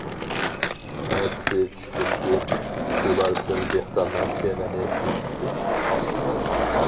ئەتىسى چۈشتىن كېيىن ئۇلار بىر دېھقاننىڭ بېغىنى بېكىتتى.